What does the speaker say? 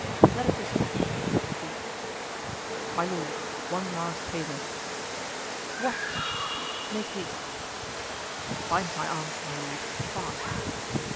"Let us dispatch," said the duke. "My lord, one last favor." "What? speak, make haste." "Bind my arms, my lord, fast."